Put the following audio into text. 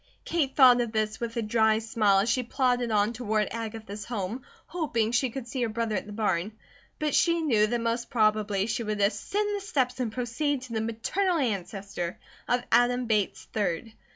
Kate thought of this with a dry smile as she plodded on toward Agatha's home hoping she could see her brother at the barn, but she knew that most probably she would "ascend the steps and proceed to the maternal ancestor," of Adam Bates 3d.